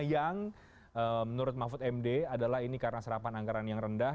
yang menurut mahfud md adalah ini karena serapan anggaran yang rendah